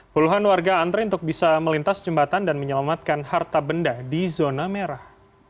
puluhan warga antre untuk bisa melintas jembatan dan menyelamatkan harta benda di zona merah